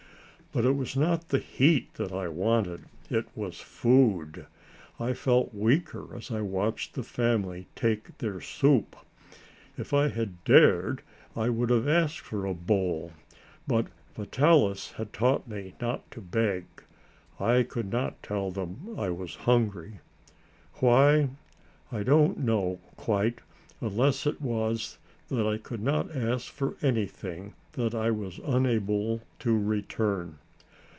But it was not the heat that I wanted; it was food. I felt weaker as I watched the family take their soup. If I had dared, I would have asked for a bowl, but Vitalis had taught me not to beg. I could not tell them I was hungry. Why? I don't know, quite, unless it was that I could not ask for anything that I was unable to return.